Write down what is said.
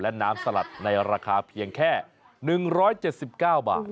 และน้ำสลัดในราคาเพียงแค่๑๗๙บาท